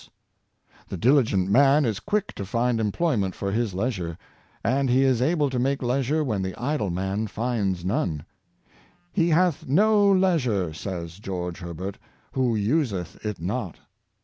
Sir Georp'e C, Lewis, 163 ^5 The diligent man is quick to find employment for his leisure; and he is able to make leisure when the idle man finds none. " He hath no leisure," says George Herbert, "who useth it not."